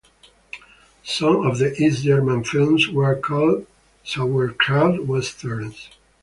Some of the East German films were called Sauerkraut Westerns.